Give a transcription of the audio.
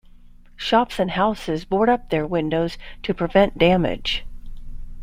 Shops and houses board up their windows to prevent damage.